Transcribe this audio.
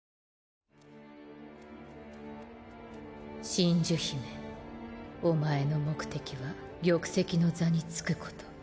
真珠姫お前の目的は玉石の座につくこと。